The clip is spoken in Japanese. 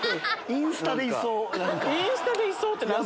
「インスタでいそう」？